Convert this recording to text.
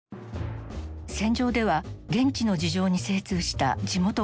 戦場では現地の事情に精通した地元ガイドが不可欠。